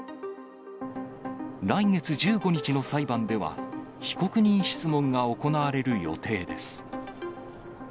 来月１５日の裁判では、被告人質問が行われる予定です。